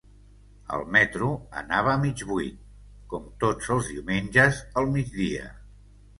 El metro anava mig buit, com tots els diumenges al migdia.